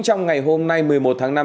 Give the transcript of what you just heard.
trong ngày hôm nay một mươi một tháng năm